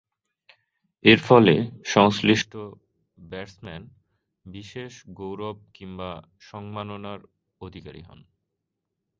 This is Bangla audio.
এরফলে সংশ্লিষ্ট ব্যাটসম্যান বিশেষ গৌরব কিংবা সম্মাননার অধিকারী হন।